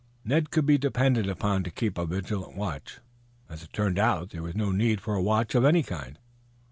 Ned could be depended upon to keep a vigilant watch. As it turned out, there was no need for a watch of any kind.